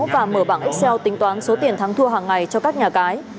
và mở bảng excell tính toán số tiền thắng thua hàng ngày cho các nhà cái